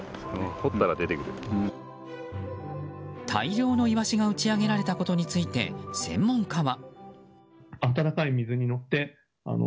大量のイワシが打ち揚げられたことについて専門家は。